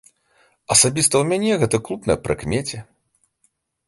Асабіста ў мяне гэты клуб на прыкмеце.